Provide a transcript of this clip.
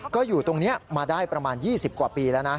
ก็อยู่ตรงนี้มาได้ประมาณ๒๐กว่าปีแล้วนะ